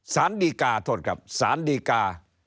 สารดีกาโทษครับสารดีกา